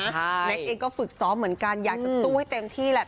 แน็กเองก็ฝึกซ้อมเหมือนกันอยากจะสู้ให้เต็มที่แหละ